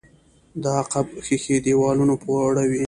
د عقب ښيښې دېوالونو يوړې.